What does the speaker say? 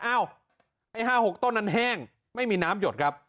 อ้าวไอ้ห้าหกต้นนั้นแห้งไม่มีน้ำหยดครับ